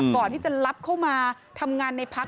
ก่อนที่จะรับเข้ามาทำงานในพัก